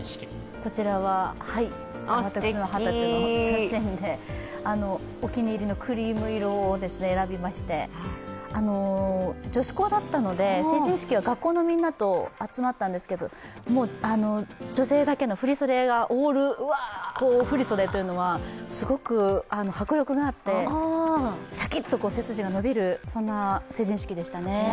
こちらは私の二十歳の写真で、お気に入りのクリーム色を選びまして女子校だったので、成人式は学校のみんなと集まったんですけど、女性だけの振り袖がオール振り袖というのはすごく迫力があって、シャキッと背筋が伸びるそんな成人式でしたね。